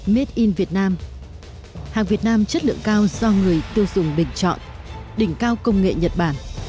made in vietnam hàng việt nam chất lượng cao do người tiêu dùng bình chọn đỉnh cao công nghệ nhật bản